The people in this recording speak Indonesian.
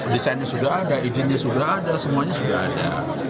desainnya sudah ada izinnya sudah ada semuanya sudah ada